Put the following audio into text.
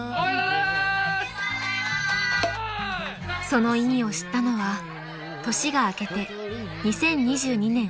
［その意味を知ったのは年が明けて２０２２年１月です］